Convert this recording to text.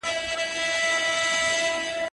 څوک چي فکر کوي هغه پوښتنه کوي.